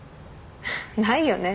ないよね。